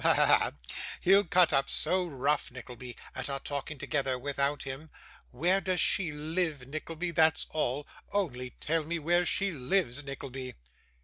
Ha, ha, ha! He'll cut up so rough, Nickleby, at our talking together without him. Where does she live, Nickleby, that's all? Only tell me where she lives, Nickleby.